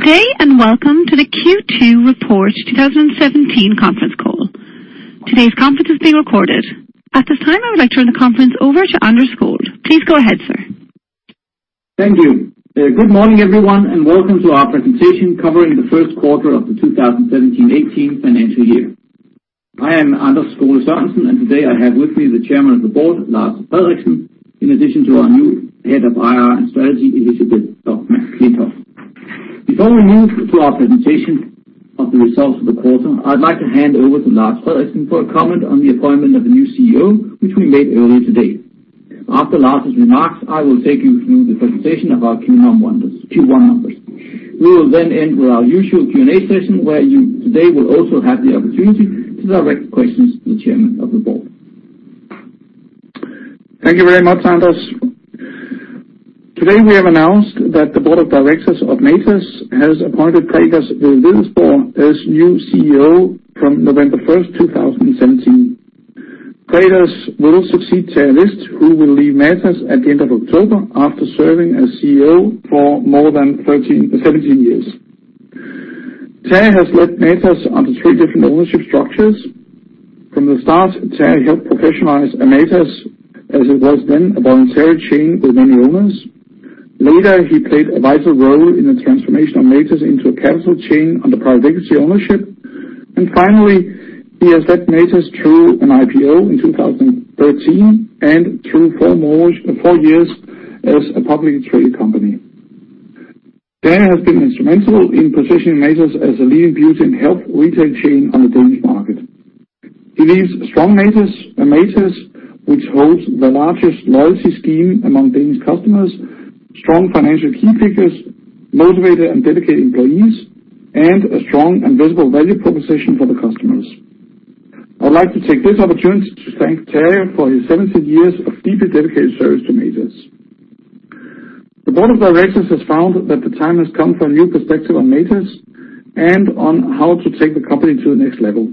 Good day and welcome to the Q2 Report 2017 conference call. Today's conference is being recorded. At this time, I would like to turn the conference over to Anders Skole-Sørensen. Please go ahead, sir. Thank you. Good morning, everyone. Welcome to our presentation covering the first quarter of the 2017/18 financial year. I am Anders Skole-Sørensen and today I have with me the chairman of the board, Lars Frederiksen, in addition to our new head of IR and strategy, Elisabeth Stockmann Klintholm. Before we move to our presentation of the results for the quarter, I'd like to hand over to Lars Frederiksen for a comment on the appointment of the new CEO, which we made earlier today. After Lars' remarks, I will take you through the presentation of our Q1 numbers. We will end with our usual Q&A session, where you today will also have the opportunity to direct questions to the chairman of the board. Thank you very much, Anders. Today we have announced that the board of directors of Matas has appointed Gregers Wedell-Wedellsborg as new CEO from November 1st, 2017. Gregers will succeed Terje List, who will leave Matas at the end of October after serving as CEO for more than 17 years. Terje has led Matas under three different ownership structures. From the start, Terje helped professionalize Matas, as it was then a voluntary chain with many owners. Later, he played a vital role in the transformation of Matas into a capital chain under private equity ownership. Finally, he has led Matas through an IPO in 2013 and through four years as a publicly traded company. Terje has been instrumental in positioning Matas as a leading beauty and health retail chain on the Danish market. He leaves a strong Matas, which holds the largest loyalty scheme among Danish customers, strong financial key figures, motivated and dedicated employees, and a strong and visible value proposition for the customers. I'd like to take this opportunity to thank Terje for his 17 years of deeply dedicated service to Matas. The board of directors has found that the time has come for a new perspective on Matas and on how to take the company to the next level.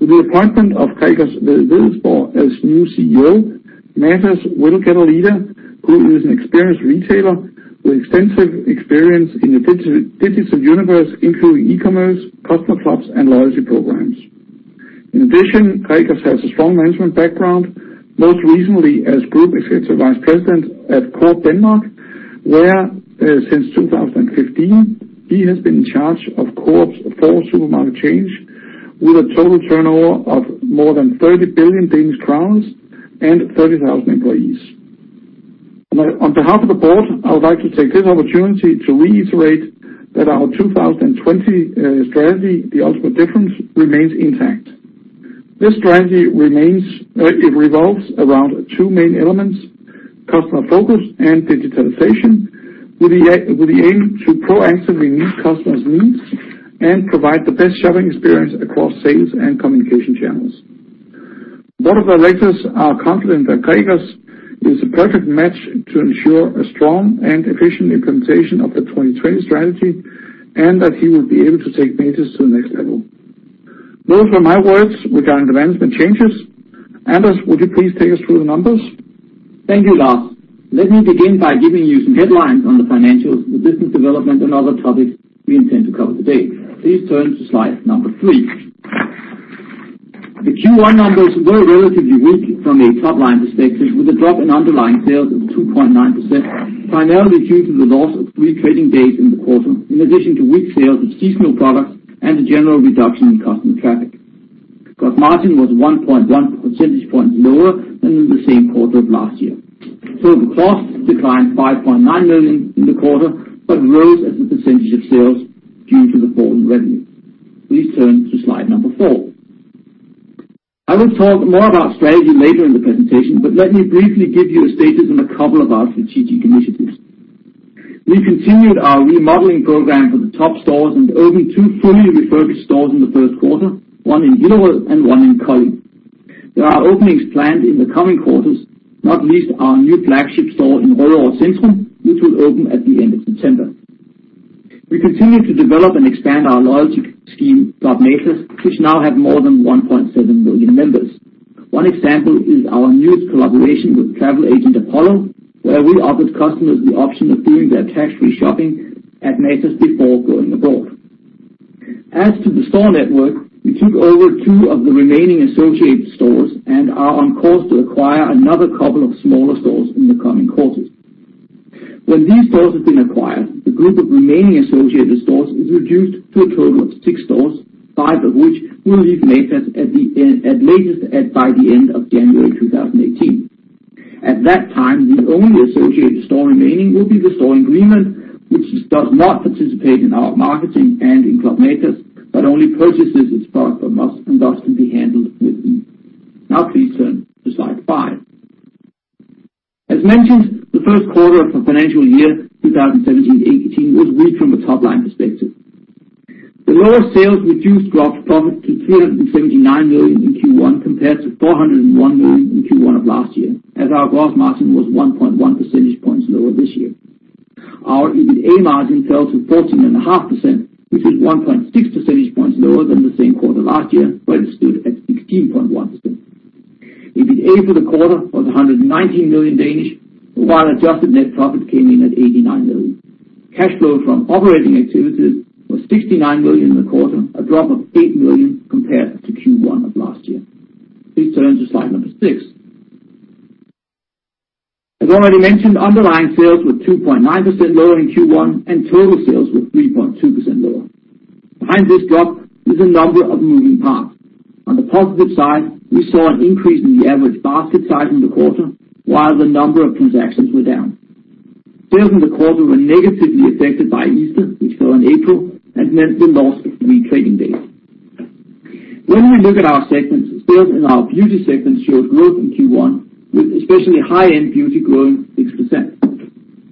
With the appointment of Gregers Wedell-Wedellsborg as new CEO, Matas will get a leader who is an experienced retailer with extensive experience in the digital universe, including e-commerce, customer clubs, and loyalty programs. In addition, Gregers has a strong management background, most recently as Group Executive Vice President at Coop Danmark, where since 2015, he has been in charge of Coop's four supermarket chains with a total turnover of more than 30 billion Danish crowns and 30,000 employees. On behalf of the board, I would like to take this opportunity to reiterate that our 2020 strategy, The Ultimate Difference, remains intact. This strategy revolves around two main elements, customer focus and digitalization, with the aim to proactively meet customers' needs and provide the best shopping experience across sales and communication channels. The board of directors are confident that Gregers is a perfect match to ensure a strong and efficient implementation of the 2020 strategy and that he will be able to take Matas to the next level. Those were my words regarding the management changes. Anders, would you please take us through the numbers? Thank you, Lars. Let me begin by giving you some headlines on the financials, the business development, and other topics we intend to cover today. Please turn to slide number three. The Q1 2017/18 numbers were relatively weak from a top-line perspective with a drop in underlying sales of 2.9%, primarily due to the loss of three trading days in the quarter, in addition to weak sales of seasonal products and a general reduction in customer traffic. Gross margin was 1.1 percentage points lower than in the same quarter of last year. Total costs declined 5.9 million in the quarter, but rose as a percentage of sales due to the fall in revenue. Please turn to slide number four. I will talk more about strategy later in the presentation, but let me briefly give you a status on a couple of our strategic initiatives. We've continued our remodeling program for the top stores and opened two fully refurbished stores in the first quarter, one in Hillerød and one in Kolding. There are openings planned in the coming quarters, not least our new flagship store in Rødovre Centrum, which will open at the end of September. We continue to develop and expand our loyalty scheme, Club Matas, which now have more than 1.7 million members. One example is our newest collaboration with travel agent Apollo, where we offered customers the option of doing their tax-free shopping at Matas before going abroad. As to the store network, we took over two of the remaining associated stores and are on course to acquire another couple of smaller stores in the coming quarters. When these stores have been acquired, the group of remaining associated stores is reduced to a total of six stores, five of which will leave Matas at latest by the end of January 2018. At that time, the only associated store remaining will be the store in Grimhøj, which does not participate in our marketing and in Club Matas, but only purchases its products from us and thus can be handled differently. Please turn to slide five. As mentioned, the first quarter of the financial year 2017/18 was weak from a top-line perspective. The lower sales reduced gross profit to 379 million in Q1 compared to 401 million in Q1 of last year, as our gross margin was 1.1 percentage points lower this year. Our EBITA margin fell to 14.5%, which is 1.6 percentage points lower than the same quarter last year, where it stood at 16.1%. EBITDA for the quarter was 119 million, while adjusted net profit came in at 89 million. Cash flow from operating activities was 69 million in the quarter, a drop of 8 million compared to Q1 of last year. Please turn to slide six. As already mentioned, underlying sales were 2.9% lower in Q1 and total sales were 3.2% lower. Behind this drop is a number of moving parts. On the positive side, we saw an increase in the average basket size in the quarter, while the number of transactions were down. Sales in the quarter were negatively affected by Easter, which fell in April and meant the loss of three trading days. When we look at our segments, sales in our beauty segment showed growth in Q1, with especially high-end beauty growing 6%.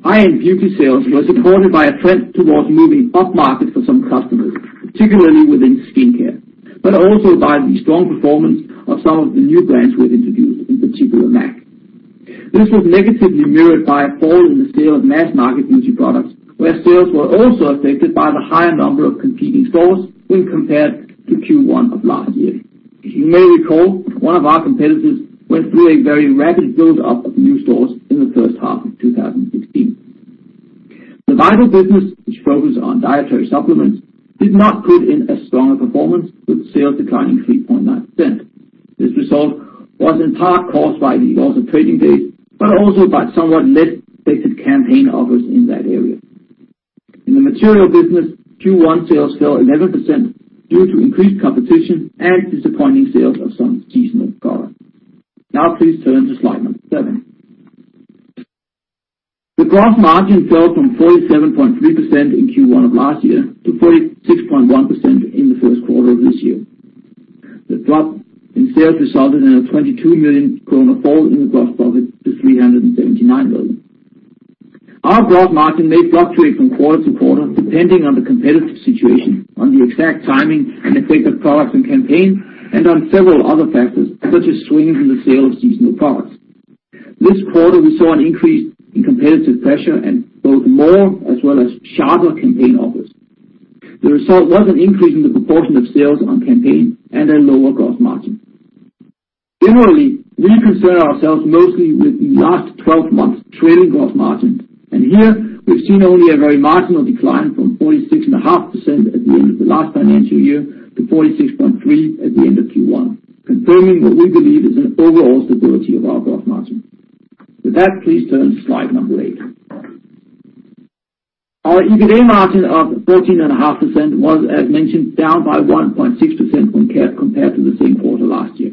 High-end beauty sales were supported by a trend towards moving upmarket for some customers, particularly within skincare, but also by the strong performance of some of the new brands we have introduced, in particular MAC. This was negatively mirrored by a fall in the sale of mass-market beauty products, where sales were also affected by the higher number of competing stores when compared to Q1 of last year. As you may recall, one of our competitors went through a very rapid build-up of new stores in the first half of 2016. The Vital business, which focuses on dietary supplements, did not put in a stronger performance, with sales declining 3.9%. This result was in part caused by the loss of trading days, but also by somewhat less effective campaign offers in that area. In the Material business, Q1 sales fell 11% due to increased competition and disappointing sales of some seasonal color. Please turn to slide seven. The gross margin fell from 47.3% in Q1 of last year to 46.1% in the first quarter of this year. The drop in sales resulted in a 22 million fall in the gross profit to 379 million. Our gross margin may fluctuate from quarter to quarter depending on the competitive situation, on the exact timing and effect of products and campaign, and on several other factors such as swings in the sale of seasonal products. This quarter, we saw an increase in competitive pressure and both more as well as sharper campaign offers. The result was an increase in the proportion of sales on campaign and a lower gross margin. Generally, we concern ourselves mostly with the last 12 months trailing gross margin. Here we've seen only a very marginal decline from 46.5% at the end of the last financial year to 46.3% at the end of Q1, confirming what we believe is an overall stability of our gross margin. With that, please turn to slide eight. Our EBITDA margin of 14.5% was, as mentioned, down by 1.6% when compared to the same quarter last year.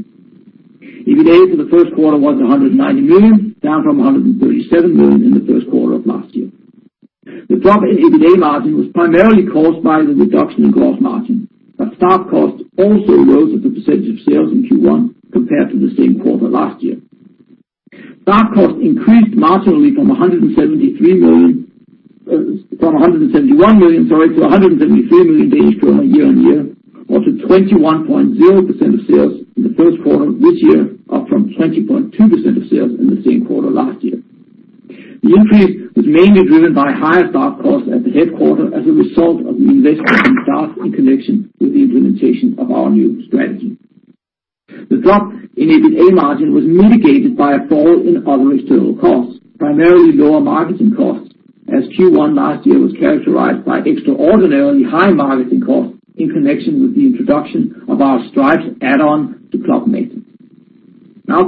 EBITDA for the first quarter was 119 million, down from 137 million in the first quarter of last year. The drop in EBITDA margin was primarily caused by the reduction in gross margin, but staff costs also rose as a percentage of sales in Q1 compared to the same quarter last year. Staff costs increased marginally from 171 million to 173 million year-over-year, or to 21.0% of sales in the first quarter of this year, up from 20.2% of sales in the same quarter last year. The increase was mainly driven by higher staff costs at the headquarter as a result of an investment in staff in connection with the implementation of our new strategy. The drop in EBITDA margin was mitigated by a fall in other external costs, primarily lower marketing costs, as Q1 last year was characterized by extraordinarily high marketing costs in connection with the introduction of the Stripes add-on to Club Matas.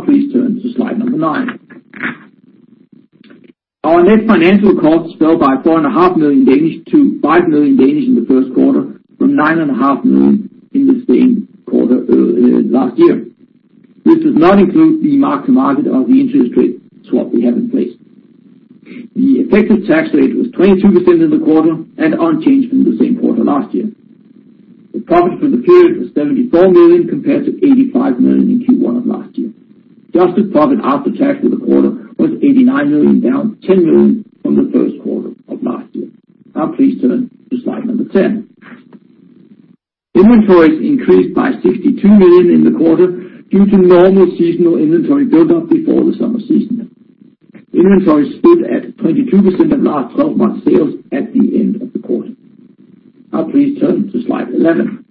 Please turn to slide nine. Our net financial costs fell by 4.5 million to 5 million in the first quarter from 9.5 million in the same quarter last year. This does not include the mark to market of the interest rate swap we have in place. The effective tax rate was 22% in the quarter and unchanged from the same quarter last year. The profit for the period was 74 million compared to 85 million in Q1 of last year. Adjusted profit after tax for the quarter was 89 million, down 10 million from the first quarter of last year. Please turn to slide 10. Inventories increased by 62 million in the quarter due to normal seasonal inventory buildup before the summer season. Inventories stood at 22% of last 12 months' sales at the end of the quarter. Please turn to slide 11.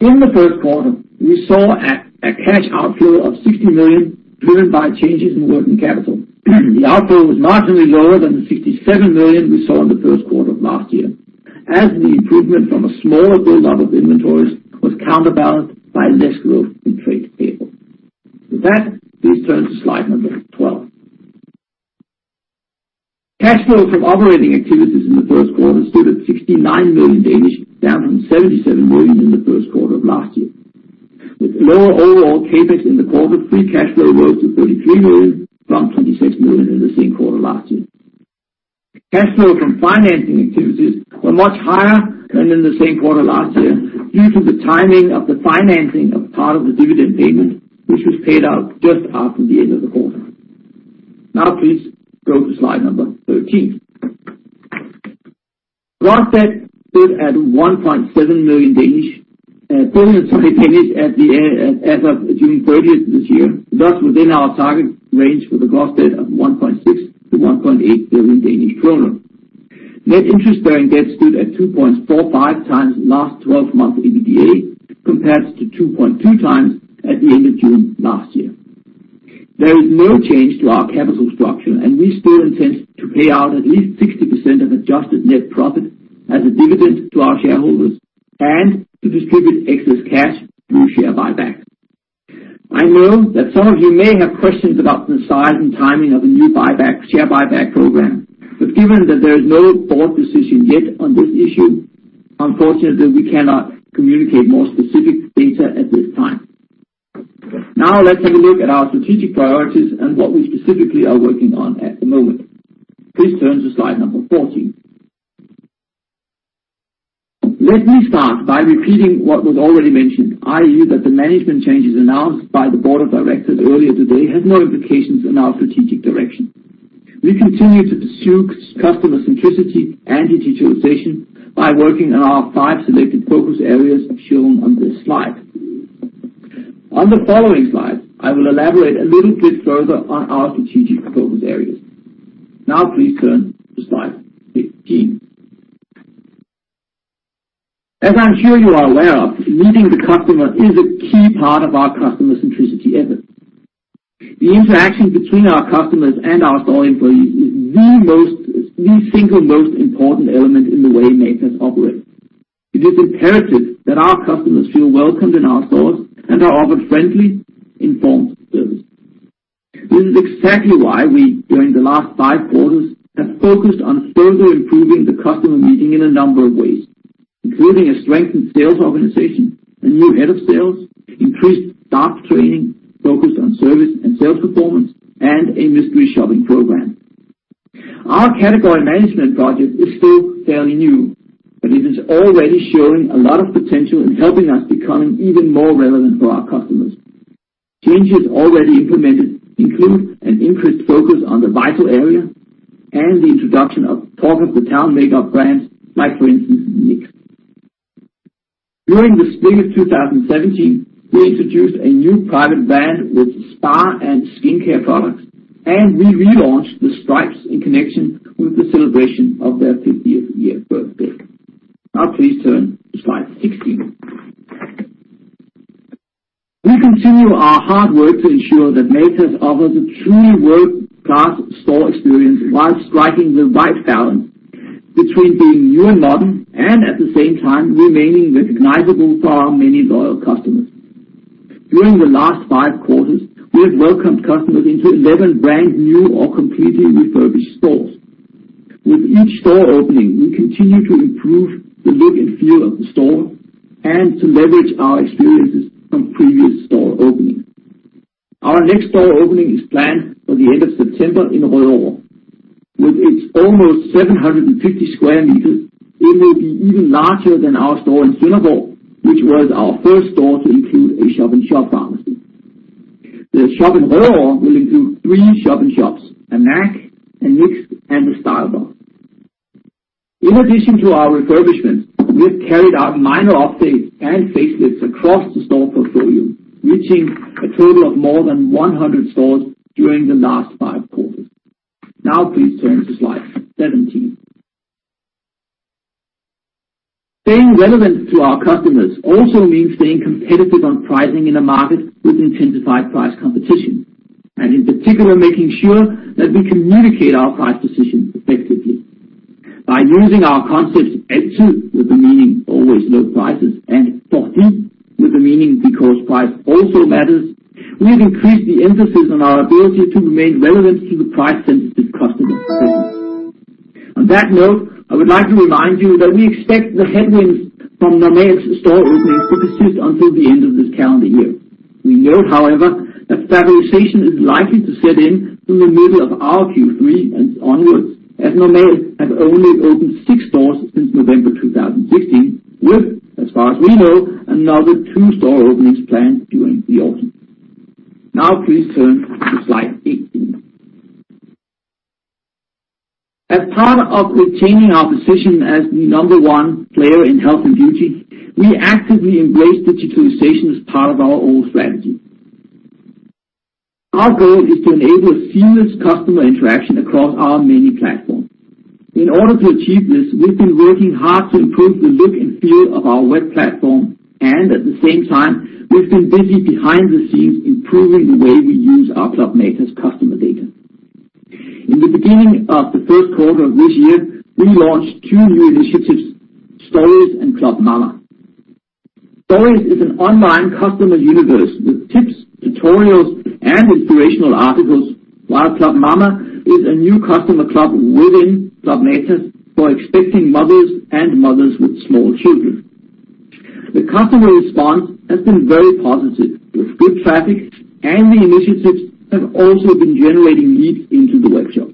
In the first quarter, we saw a cash outflow of 60 million driven by changes in working capital. The outflow was marginally lower than the 67 million we saw in the first quarter of last year, as the improvement from a smaller buildup of inventories was counterbalanced by less growth in trade payable. Please turn to slide 12. Cash flow from operating activities in the first quarter stood at 69 million, down from 77 million in the first quarter of last year. With lower overall CapEx in the quarter, free cash flow rose to 33 million from 26 million in the same quarter last year. Cash flow from financing activities were much higher than in the same quarter last year due to the timing of the financing of part of the dividend payment, which was paid out just after the end of the quarter. Please go to slide 13. Gross debt stood at 1.7 billion as of June 30th this year, thus within our target range for the gross debt of 1.6 billion-1.8 billion Danish kroner. Net interest-bearing debt stood at 2.45 times last 12 months EBITDA, compared to 2.2 times at the end of June last year. We still intend to pay out at least 60% of adjusted net profit as a dividend to our shareholders and to distribute excess cash through share buyback. I know that some of you may have questions about the size and timing of the new share buyback program, given that there is no board decision yet on this issue, unfortunately, we cannot communicate more specific data at this time. Now let's have a look at our strategic priorities and what we specifically are working on at the moment. Please turn to slide number 14. Let me start by repeating what was already mentioned, i.e., that the management changes announced by the board of directors earlier today has no implications on our strategic direction. We continue to pursue customer centricity and digitalization by working on our five selected focus areas shown on this slide. On the following slide, I will elaborate a little bit further on our strategic focus areas. Now please turn to slide 15. As I'm sure you are aware of, meeting the customer is a key part of our customer centricity effort. The interaction between our customers and our store employees is the single most important element in the way Matas operates. It is imperative that our customers feel welcomed in our stores and are offered friendly, informed service. This is exactly why we, during the last five quarters, have focused on further improving the customer meeting in a number of ways, including a strengthened sales organization, a new head of sales, increased staff training focused on service and sales performance, and a mystery shopping program. Our category management project is still fairly new, but it is already showing a lot of potential in helping us becoming even more relevant for our customers. Changes already implemented include an increased focus on the Vital area and the introduction of talk-of-the-town makeup brands like, for instance, NYX. During the spring of 2017, we introduced a new private brand with spa and skincare products, and we relaunched the Stripes in connection with the celebration of their 50th year birthday. Now please turn to slide 16. We continue our hard work to ensure that Matas offers a truly world-class store experience while striking the right balance between being new and modern and at the same time remaining recognizable for our many loyal customers. During the last five quarters, we have welcomed customers into 11 brand new or completely refurbished stores. With each store opening, we continue to improve the look and feel of the store and to leverage our experiences from previous store openings. Our next store opening is planned for the end of September in Rødovre. With its almost 750 sq m, it will be even larger than our store in Sønderborg, which was our first store to include a shop-in-shop pharmacy. The shop in Rødovre will include three shop-in-shops, a MAC, a NYX, and a StyleBox. In addition to our refurbishment, we have carried out minor updates and facelifts across the store portfolio, reaching a total of more than 100 stores during the last five quarters. Now please turn to slide 17. Staying relevant to our customers also means staying competitive on pricing in a market with intensified price competition, and in particular, making sure that we communicate our price position effectively. By using our concepts, Altid, with the meaning always low prices, and fordi, with the meaning because price also matters, we've increased the emphasis on our ability to remain relevant to the price-sensitive customer segment. On that note, I would like to remind you that we expect the headwinds from Normal's store openings to persist until the end of this calendar year. We note, however, that stabilization is likely to set in from the middle of our Q3 and onwards, as Normal has only opened six stores since November 2016 with, as far as we know, another two store openings planned during the autumn. Now please turn to slide 18. As part of retaining our position as the number one player in health and beauty, we actively embrace digitalization as part of our old strategy. Our goal is to enable seamless customer interaction across our many platforms. In order to achieve this, we've been working hard to improve the look and feel of our web platform, and at the same time, we've been busy behind the scenes improving the way we use our Club Matas customer data. In the beginning of the first quarter of this year, we launched two new initiatives, Stories and Club Mama. Stories is an online customer universe with tips, tutorials, and inspirational articles while Club Mama is a new customer club within Club Matas for expecting mothers and mothers with small children. The customer response has been very positive with good traffic, and the initiatives have also been generating leads into the workshop.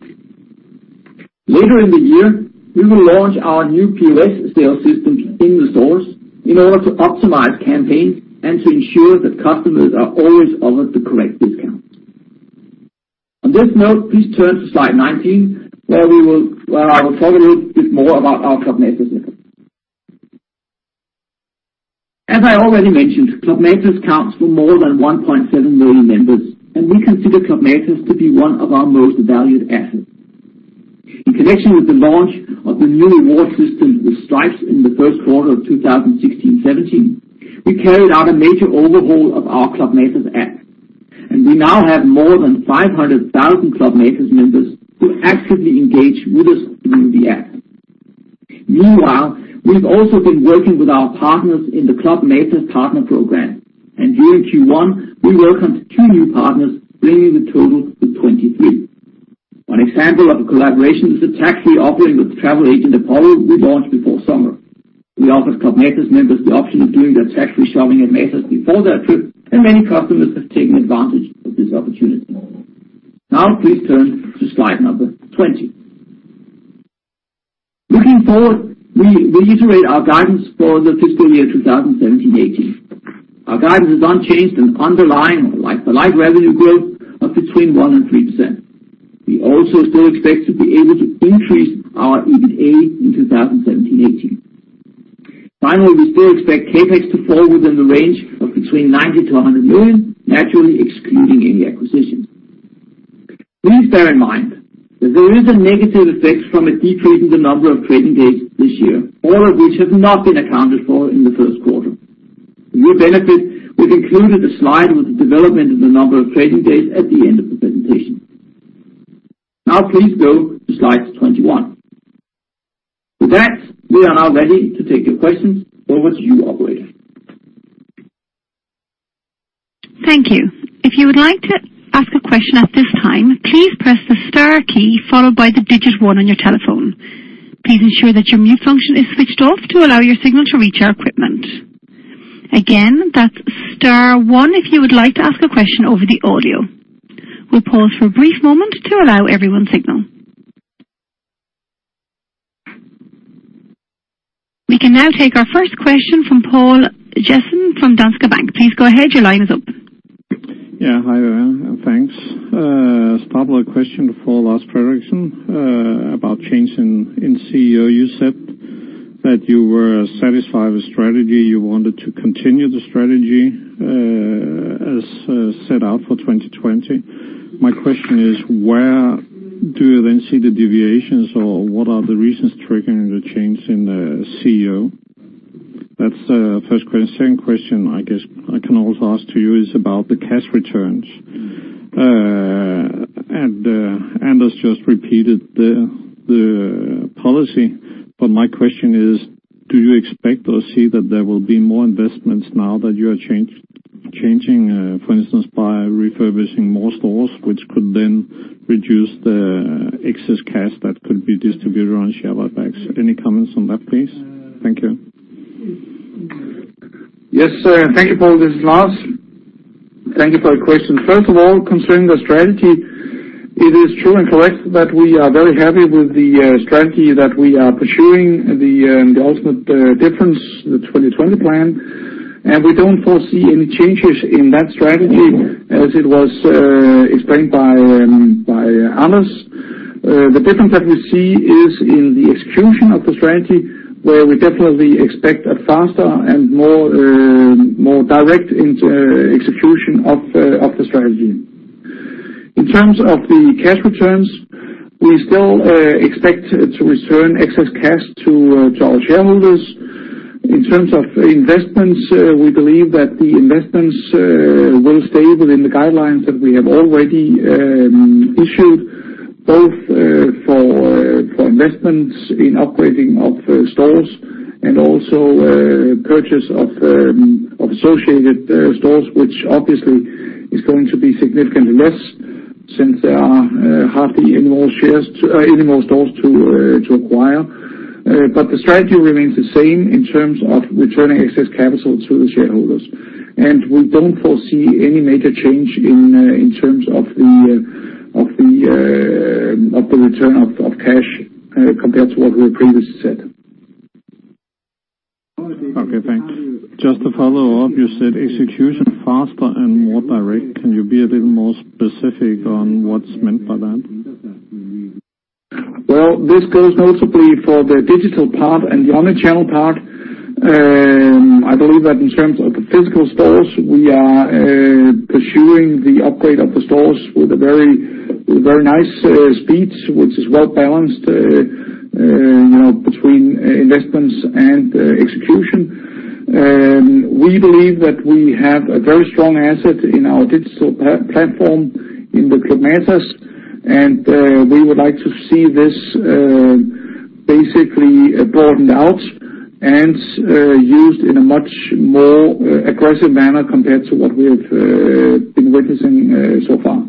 Later in the year, we will launch our new POS sales systems in the stores in order to optimize campaigns and to ensure that customers are always offered the correct discount. On this note, please turn to slide 19, where I will talk a little bit more about our Club Matas system. As I already mentioned, Club Matas counts for more than 1.7 million members, and we consider Club Matas to be one of our most valued assets. In connection with the launch of the new reward system with Stripes in the first quarter of 2016-17, we carried out a major overhaul of our Club Matas app, and we now have more than 500,000 Club Matas members who actively engage with us through the app. Meanwhile, we've also been working with our partners in the Club Matas partner program, and during Q1, we welcomed two new partners, bringing the total to 23. One example of a collaboration is the tax-free offering with travel agent Apollo we launched before summer. We offered Club Matas members the option of doing their tax-free shopping in Matas before their trip, and many customers have taken advantage of this opportunity. Now please turn to slide number 20. Looking forward, we reiterate our guidance for the fiscal year 2017-18. Our guidance is unchanged and underlying like-for-like revenue growth of between 1% and 3%. We also still expect to be able to increase our EBITA in 2017-18. Finally, we still expect CapEx to fall within the range of between 90 million to 100 million, naturally excluding any acquisitions. Please bear in mind that there is a negative effect from a decrease in the number of trading days this year, all of which have not been accounted for in the first quarter. For your benefit, we've included a slide with the development of the number of trading days at the end of the presentation. Now please go to slide 21. With that, we are now ready to take your questions. Over to you, operator. Thank you. If you would like to ask a question at this time, please press the star key, followed by the digit 1 on your telephone. Please ensure that your mute function is switched off to allow your signal to reach our equipment. Again, that's star 1 if you would like to ask a question over the audio. We'll pause for a brief moment to allow everyone signal. We can now take our first question from Poul Jessen from Danske Bank. Please go ahead. Your line is up. Hi there, thanks. Start with a question for Lars Frederiksen about change in CEO. You said that you were satisfied with strategy. You wanted to continue the strategy as set out for 2020. My question is, where do you then see the deviations, or what are the reasons triggering the change in the CEO? That's the first question. Second question, I guess I can also ask to you is about the cash returns. Anders just repeated the policy, but my question is, do you expect or see that there will be more investments now that you are changing for instance, by refurbishing more stores, which could then reduce the excess cash that could be distributed on share buybacks? Any comments on that, please? Thank you. Thank you, Poul. This is Lars. Thank you for the question. First of all, concerning the strategy, it is true and correct that we are very happy with the strategy that we are pursuing, The Ultimate Difference, the 2020 plan. We don't foresee any changes in that strategy as it was explained by Anders. The difference that we see is in the execution of the strategy, where we definitely expect a faster and more direct execution of the strategy. In terms of the cash returns, we still expect to return excess cash to our shareholders. In terms of investments, we believe that the investments will stay within the guidelines that we have already issued, both for investments in upgrading of stores and also purchase of associated stores, which obviously is going to be significantly less since there are hardly any more stores to acquire. The strategy remains the same in terms of returning excess capital to the shareholders. We don't foresee any major change in terms of the return of cash compared to what we have previously said. Okay, thanks. Just to follow up, you said execution faster and more direct. Can you be a little more specific on what's meant by that? Well, this goes notably for the digital part and the omnichannel part. I believe that in terms of the physical stores, we are pursuing the upgrade of the stores with a very nice speed, which is well-balanced between investments and execution. We believe that we have a very strong asset in our digital platform in the Club Matas, and we would like to see this basically broadened out and used in a much more aggressive manner compared to what we have been witnessing so far.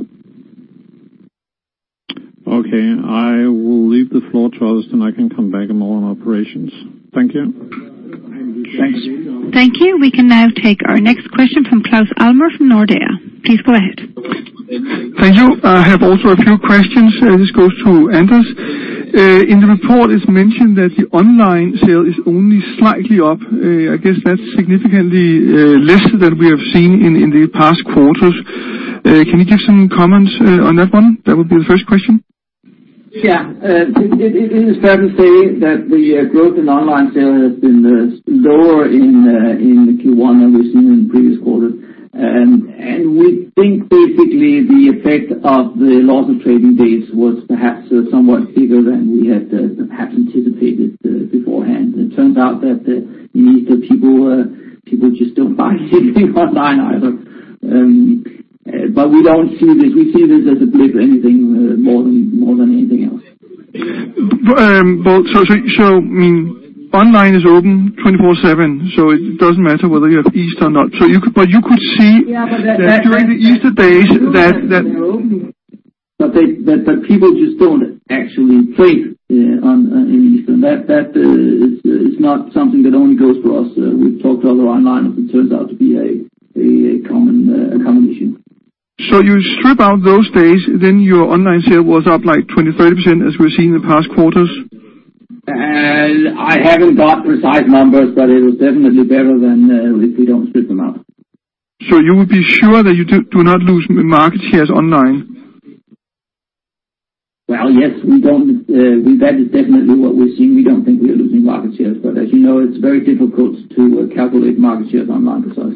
Okay. I will leave the floor to others, then I can come back more on operations. Thank you. Thanks. Thank you. We can now take our next question from Claus Almer from Nordea. Please go ahead. Thank you. I have also a few questions. This goes to Anders. In the report, it is mentioned that the online sale is only slightly up. I guess that is significantly less than we have seen in the past quarters. Can you give some comments on that one? That would be the first question. It is fair to say that the growth in online sales has been lower in Q1 than we have seen in previous quarters. We think basically the effect of the loss of trading days was perhaps somewhat bigger than we had perhaps anticipated beforehand. It turns out that in Easter, people just don't buy anything online either. We see this as a blip more than anything else. Online is open twenty-four/seven, so it doesn't matter whether you have Easter or not. You could see- Yeah. during the Easter days. People just don't actually pay in Easter. That is not something that only goes for us. We've talked to other online, and it turns out to be a common issue. You strip out those days, your online sale was up 20%, 30%, as we've seen in past quarters? I haven't got precise numbers, it was definitely better than if we don't strip them out. You would be sure that you do not lose market shares online? Well, yes. That is definitely what we're seeing. We don't think we are losing market shares. As you know, it's very difficult to calculate market shares on market size.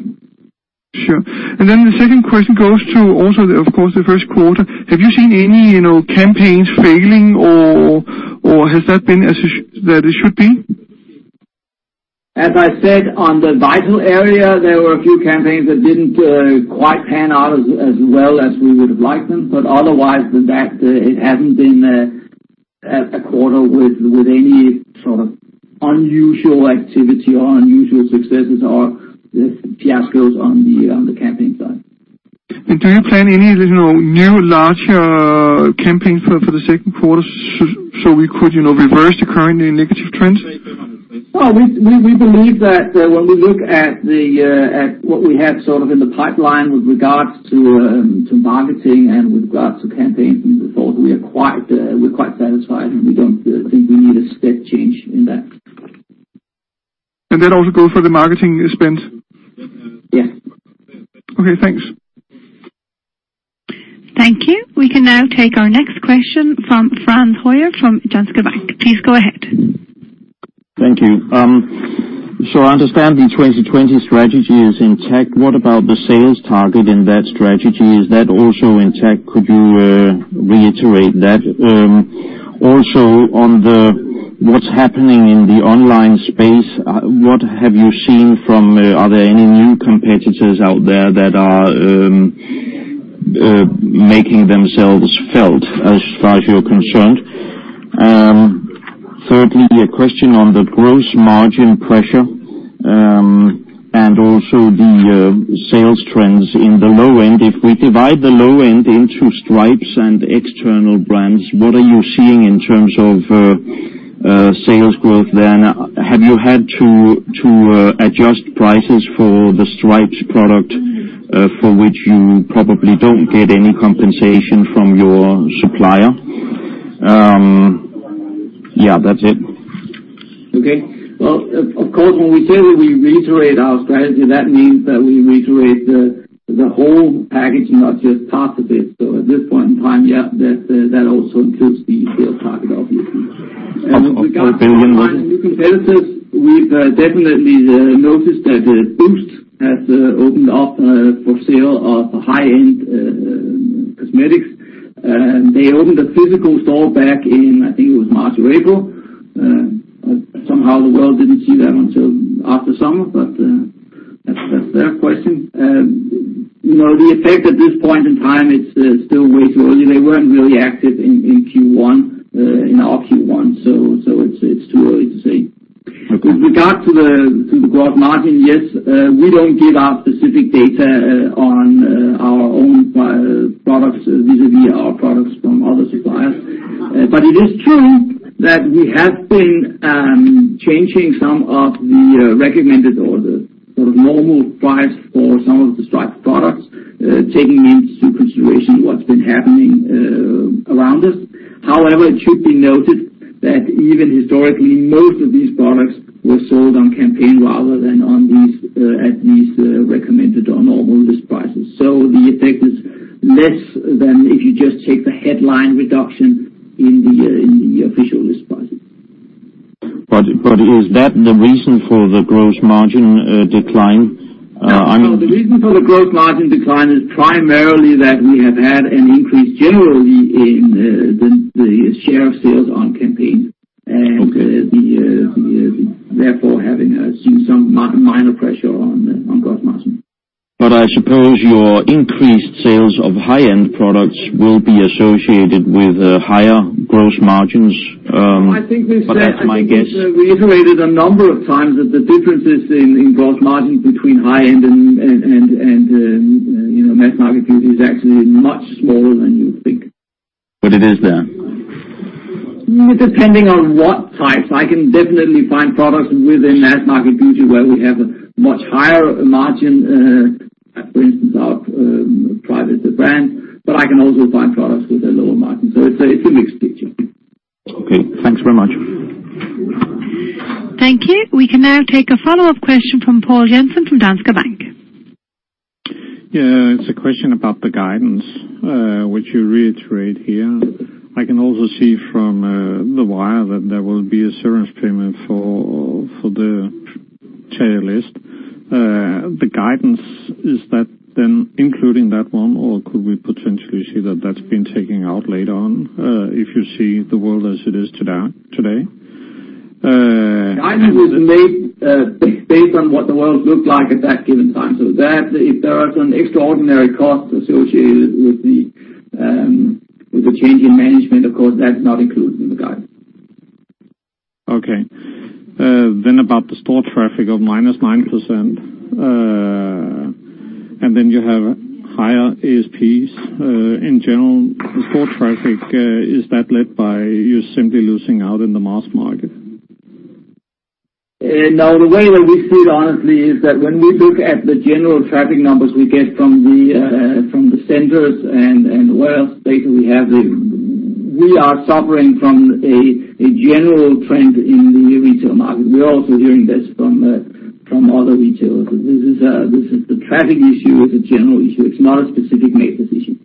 Sure. The second question goes to also, of course, the first quarter. Have you seen any campaigns failing, or has that been as it should be? As I said, on the Vital area, there were a few campaigns that didn't quite pan out as well as we would've liked them. Otherwise, it hasn't been a quarter with any sort of unusual activity or unusual successes or fiascos on the campaign side. Do you plan any new larger campaigns for the second quarter so we could reverse the currently negative trends? No, we believe that when we look at what we have in the pipeline with regards to marketing and with regards to campaigns going forward, we're quite satisfied, and we don't think we need a step change in that. That also goes for the marketing spent? Yeah. Okay, thanks. Thank you. We can now take our next question from Frans Høyer from Danske Bank. Please go ahead. Thank you. I understand the 2020 strategy is intact. What about the sales target in that strategy? Is that also intact? Could you reiterate that? Also, on what's happening in the online space, what have you seen from? Are there any new competitors out there that are making themselves felt, as far as you're concerned? Thirdly, a question on the gross margin pressure, and also the sales trends in the low end. If we divide the low end into Stripes and external brands, what are you seeing in terms of sales growth then? Have you had to adjust prices for the Stripes product, for which you probably don't get any compensation from your supplier? Yeah, that's it. Okay. Well, of course, when we say we reiterate our strategy, that means that we reiterate the whole package, not just parts of it. At this point in time, yeah, that also includes the sales target, obviously. Of course. With regards to online and new competitors, we've definitely noticed that Boozt has opened up for sale of high-end cosmetics. They opened a physical store back in, I think it was March or April. Somehow, the world didn't see that until after summer, but that's their question. The effect at this point in time, it's still way too early. They weren't really active in our Q1, it's too early to say. Okay. With regard to the gross margin, yes, we don't give out specific data on our own products vis-a-vis our products from other suppliers. It is true that we have been changing some of the recommended or the normal price for some of the striped products, taking into consideration what's been happening around us. However, it should be noted that even historically, most of these products were sold on campaign rather than at these recommended or normal list prices. The effect is less than if you just take the headline reduction in the official list prices. Is that the reason for the gross margin decline? No. The reason for the gross margin decline is primarily that we have had an increase generally in the share of sales on campaign. Okay Therefore, we have seen some minor pressure on gross margin. I suppose your increased sales of high-end products will be associated with higher gross margins. I think we said. That's my guess. I think we reiterated a number of times that the differences in gross margin between high-end and mass market beauty is actually much smaller than you think. It is there. Depending on what types. I can definitely find products within mass market beauty where we have a much higher margin, for instance, our private brand, I can also find products with a lower margin. It's a mixed picture. Okay. Thanks very much. Thank you. We can now take a follow-up question from Poul Jessen from Danske Bank. It's a question about the guidance, which you reiterate here. I can also see from the wire that there will be a severance payment for Terje List. Is that then including that one, or could we potentially see that that's been taken out later on, if you see the world as it is today? Guidance is made based on what the world looked like at that given time. If there are some extraordinary costs associated with the change in management, of course, that's not included in the guidance. Okay. About the store traffic of minus 9%, and then you have higher ASPs. In general, the store traffic, is that led by you simply losing out in the mass market? No, the way that we see it honestly is that when we look at the general traffic numbers we get from the centers and what else data we have, we are suffering from a general trend in the retail market. We're also hearing this from other retailers. The traffic issue is a general issue. It's not a specific Matas issue.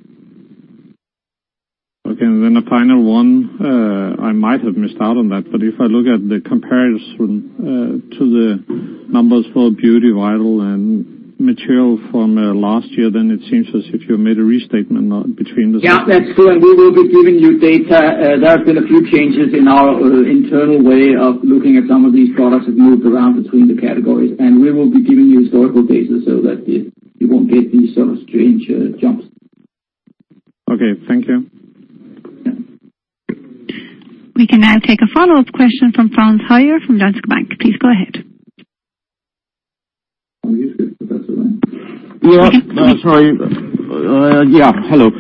Okay, and then a final one. I might have missed out on that, but if I look at the comparison to the numbers for beauty, Vital, and Material from last year, then it seems as if you made a restatement between the- Yeah, that's correct. We will be giving you data. There have been a few changes in our internal way of looking at some of these products that moved around between the categories, and we will be giving you historical data so that you won't get these sort of strange jumps. Okay, thank you. We can now take a follow-up question from Frans Høyer from Danske Bank. Please go ahead. Yeah. Sorry. Yeah, hello.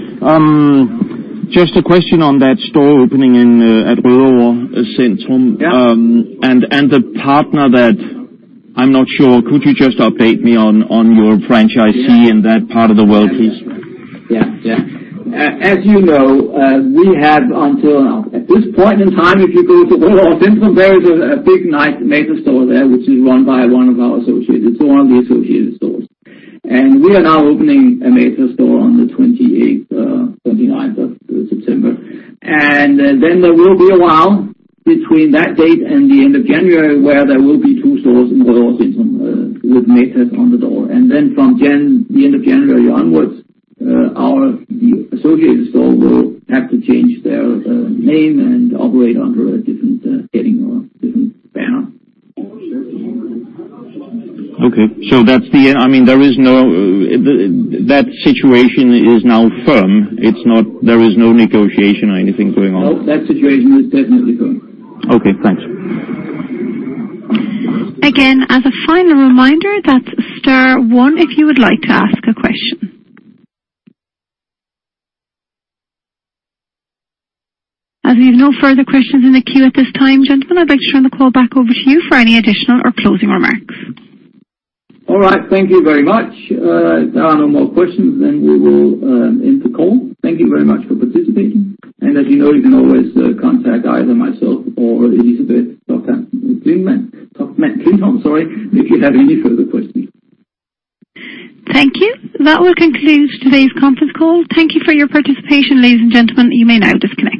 Just a question on that store opening at Rødovre Centrum. Yeah. The partner that I'm not sure, could you just update me on your franchisee in that part of the world, please? Yeah. As you know, we have until now, at this point in time, if you go to Rødovre Centrum, there is a big Matas store there, which is run by one of our associated stores. We are now opening a Matas store on the 28th, 29th of September. There will be a while between that date and the end of January where there will be two stores in Rødovre Centrum with Matas on the door. From the end of January onwards, the associated store will have to change their name and operate under a different heading or a different banner. Okay. That situation is now firm? There is no negotiation or anything going on? No, that situation is definitely gone. Okay, thanks. Again, as a final reminder, that's star one if you would like to ask a question. As we have no further questions in the queue at this time, gentlemen, I'd like to turn the call back over to you for any additional or closing remarks. All right. Thank you very much. There are no more questions, we will end the call. Thank you very much for participating. As you know, you can always contact either myself or Elisabeth Stockmann Klintholm, sorry, if you have any further questions. Thank you. That will conclude today's conference call. Thank you for your participation, ladies and gentlemen. You may now disconnect.